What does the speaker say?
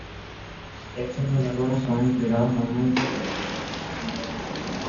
Estos galardones son entregados anualmente por la Fundación Lolita Rubial.